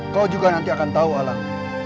kau juga nanti akan tahu alam